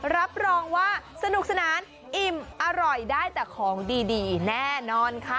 รับรองว่าสนุกสนานอิ่มอร่อยได้แต่ของดีแน่นอนค่ะ